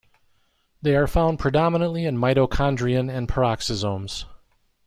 They are found predominantly in mitochondrion and peroxisomes.